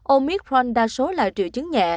omicron đa số là triệu chứng nhẹ